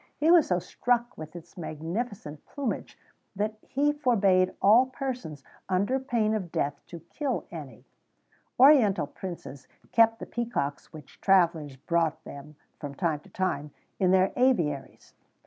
He was so struck with its magnificent plumage that he forbad all persons, under pain of death, to kill any.[XVII 115] Oriental princes kept the peacocks which travellers brought them, from time to time, in their aviaries.